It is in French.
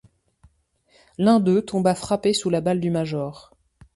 L’un d’eux tomba frappé sous la balle du major.